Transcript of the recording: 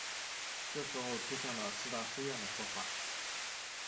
这时候出现了四大书院的说法。